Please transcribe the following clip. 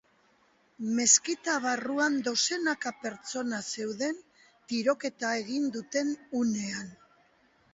Meskita barruan dozenaka pertsona zeuden tiroketa egin duten unean.